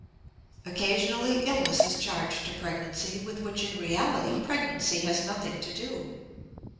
Occasionally illness is charged to pregnancy with which in reality pregnancy has nothing to do.